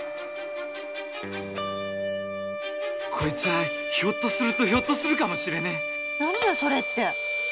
こいつはひょっとするとひょっとするかもしれねえ。